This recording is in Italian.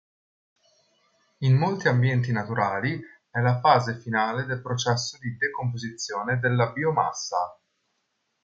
In molti ambienti naturali, è la fase finale del processo di decomposizione della biomassa.